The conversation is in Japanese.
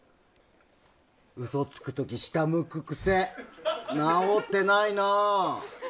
嘘つくとき、下向く癖治ってないな。